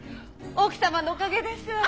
奥様のおかげですわ！